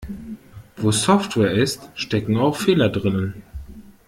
Wo Software ist, stecken auch Fehler drinnen.